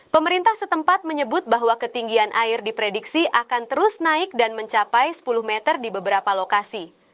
pemerintah setempat menyebut bahwa ketinggian air diprediksi akan terus naik dan mencapai sepuluh meter di beberapa lokasi